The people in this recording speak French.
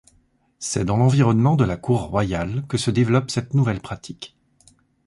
C'est dans l'environnement de la cour royale que se développe cette nouvelle pratique.